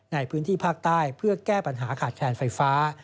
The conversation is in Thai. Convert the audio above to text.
ในพื้นที่ภาคใต้เพื่อแก้ปัญหาขาดแคลนไฟฟ้า